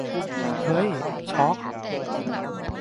เฮ้ย ช็อค